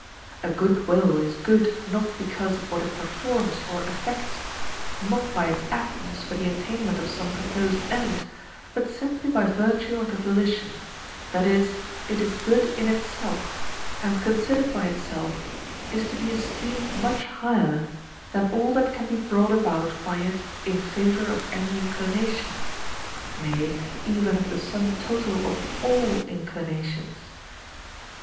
A good will is good not because of what it performs or effects, not by its aptness for the attainment of some proposed end, but simply by virtue of the volition; that is, it is good in itself, and considered by itself is to be esteemed much higher than all that can be brought about by it in favour of any inclination, nay even of the sum total of all inclinations.